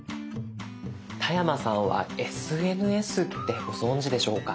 田山さんはＳＮＳってご存じでしょうか？